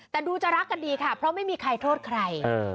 แต่ดูจะรักกันดีค่ะเพราะไม่มีใครโทษใคร